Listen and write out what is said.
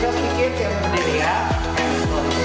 saya minta diri ya